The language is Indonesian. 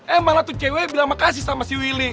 eh malah tuh cewek bilang makasih sama si willy